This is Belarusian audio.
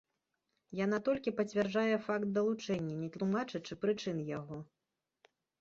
Яна толькі пацвярджае факт далучэння, не тлумачачы прычын яго.